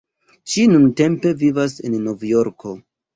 Ŝi nuntempe vivas en Novjorko.